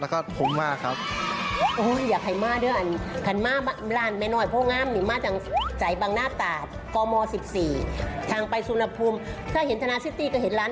ก็เห็นทนาซิตี้ก็เห็นร้านน้อยโพลงาม